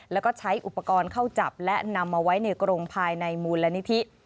แล้วก็ใช้อุปกรณ์เข้าจับและนำมาไว้ในกรงภายในมูลนิธิ